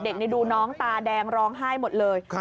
ดูน้องตาแดงร้องไห้หมดเลย